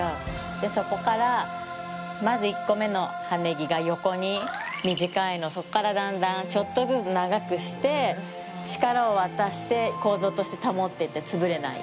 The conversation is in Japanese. で、そこから、まず１個目の刎木が横に短いの、そこからだんだんちょっとずつ長くして、力を渡して構造として保ってて潰れない。